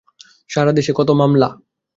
সারা দেশে কত মামলা!